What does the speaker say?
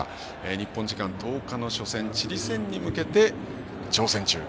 日本時間１０日の初戦チリ戦に向けて、調整中。